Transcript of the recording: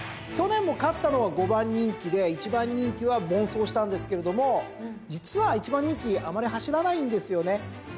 去年も勝ったのは５番人気で１番人気は凡走したんですけれども実は１番人気あまり走らないんですよね。